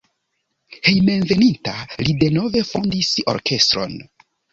Hejmenveninta li denove fondis orkestron.